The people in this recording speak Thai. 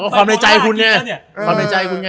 ความในใจคุณไง